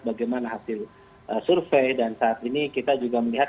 bagaimana hasil survei dan saat ini kita juga melihat